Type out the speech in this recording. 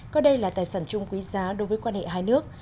coi đây là tài sản chung quý giá đối với quan hệ hai nước